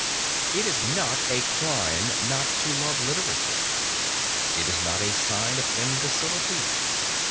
It is not a crime not to love literature. It is not a sign of imbecility.